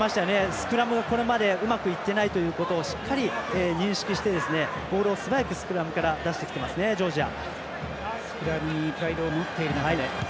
スクラムがこれまでうまくいってないことをしっかり認識してボールを素早くスクラムから出してきてますね、ジョージア。